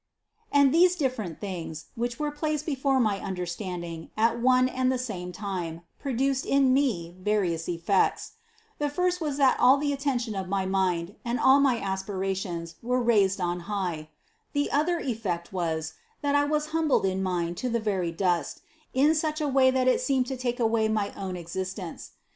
And these dif ferent things, which were placed before my understand ing at one and the same time, produced in me various effects: The first was that all the attention of my mind and all my aspirations were raised on high; the other effect was, that I was humbled in mind to the very dust, in such a way that it seemed to take away my own exist ence.